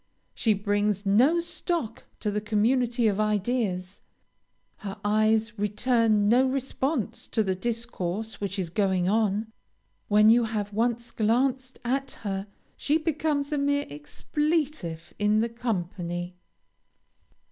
She brings no stock to the community of ideas. Her eyes return no response to the discourse which is going on. When you have once glanced at her, she becomes a mere expletive in the company.